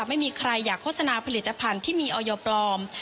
ไม่มีใครอยากโฆษณาผลิตภัณฑ์ที่มีออยปลอม